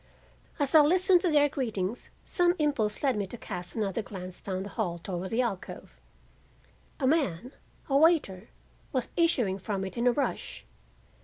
As I listened to their greetings some impulse led me to cast another glance down the hall toward the alcove. A man—a waiter—was issuing from it in a rush.